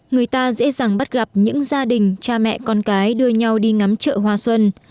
người ta dễ dàng bắt gặp những gia đình cha mẹ con cái đưa nhau đi ngắm chợ hoa xuân